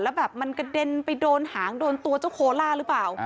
แล้วแบบมันกระเด็นไปโดนหางโดนตัวเจ้าโคล่าหรือเปล่า